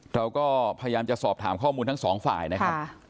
เราก็พยายามจะสอบถามข้อมูลทั้งสองฝ่ายนะครับ